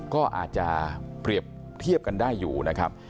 ก็อาจจะเปรียบเทียบกันได้อยู่นะครับ